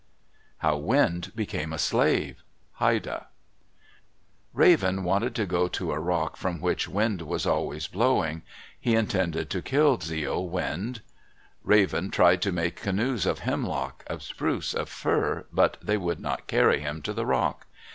HOW WIND BECAME A SLAVE Haida Raven wanted to go to a rock from which Wind was always blowing. He intended to kill Xeio, Wind. Raven tried to make canoes of hemlock, of spruce, of fir, but they would not carry him to the rock.